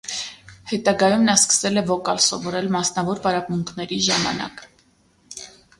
Հետագայում նա սկսել է վոկալ սովորել մասնավոր պարապմունքների ժամանակ։